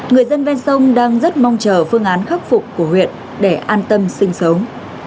người dân ven sông đang rất mong chờ phương án khắc phục của huyện để an tâm sinh sống